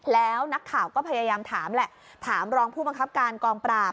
แล้วนักข่าวก็พยายามถามแหละถามรองผู้บังคับการกองปราบ